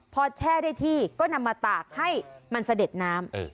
พอแช่ได้ที่ก็นำมาตากให้มันเสด็จน้ำ